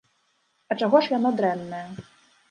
А чаго ж яно дрэннае?